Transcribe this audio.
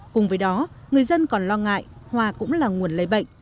cùng với đó người dân còn lo ngại hoa cũng là nguồn lây bệnh